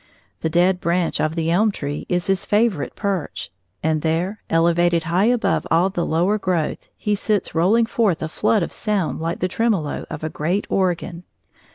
The dead branch of an elm tree is his favorite perch, and there, elevated high above all the lower growth, he sits rolling forth a flood of sound like the tremolo of a great organ.